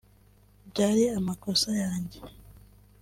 byari amakosa yanjye